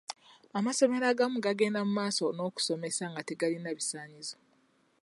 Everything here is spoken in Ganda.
Amasomero agamu gagenda mumaaso n'okusomesa nga tegalina bisaanyizo.